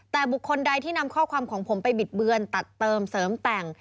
แต่บุคคลใดที่นำข้อความของผมไปบิดเบือนตัดเติมเสริมแต่ง